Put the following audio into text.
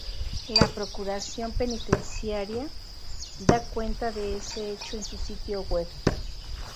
La Procuración Penitenciaria da cuenta de ese hecho en su sitio web.